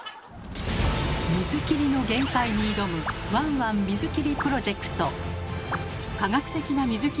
水切りの限界に挑む「ワンワン水切りプロジェクト」。